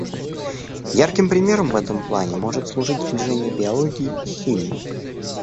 Ярким примером в этом плане может служить сближение биологии и химии.